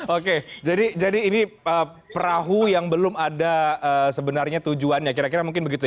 oke jadi ini perahu yang belum ada sebenarnya tujuannya kira kira mungkin begitu ya